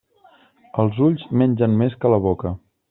Els ulls mengen més que la boca.